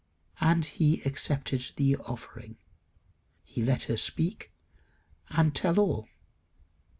And he accepted the offering. He let her speak, and tell all.